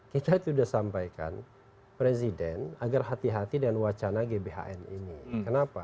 kita itu sudah sampaikan presiden agar hati hati dengan wacana gbhn ini kenapa